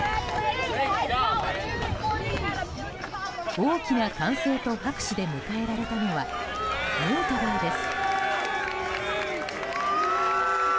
大きな歓声と拍手で迎えられたのはヌートバーです。